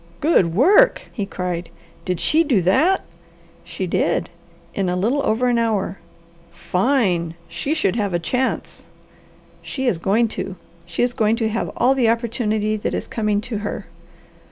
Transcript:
"Good work!" he cried. "Did she do that?" "She did. In a little over an hour." "Fine! She should have a chance." "She is going to. She is going to have all the opportunity that is coming to her."